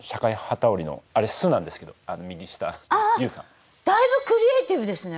ああだいぶクリエーティブですね。